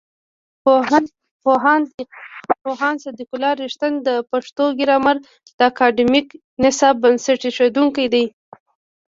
پوهاند صدیق الله رښتین د پښتو ګرامر د اکاډمیک نصاب بنسټ ایښودونکی دی.